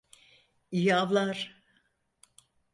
İyi avlar.